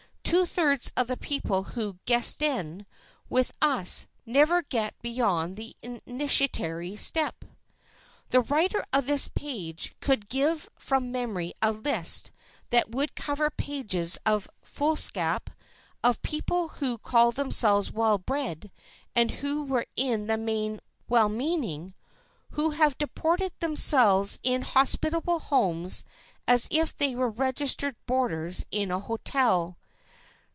Two thirds of the people who "guesten" with us never get beyond the initiatory step. [Sidenote: GUESTS ARE NOT BOARDERS] The writer of this page could give from memory a list that would cover pages of foolscap, of people who called themselves well bred and who were in the main well meaning, who have deported themselves in hospitable homes as if they were registered boarders in a hotel.